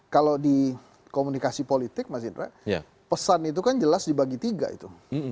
kalau di komunikasi politik mas indra pesan itu kan jelas dibagi tiga itu